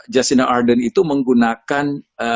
jessica arden itu menggunakan